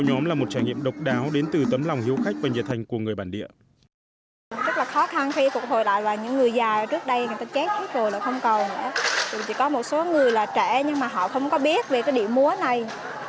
chỉ có một số người là trẻ nhưng mà họ không có biết về cái địa múa này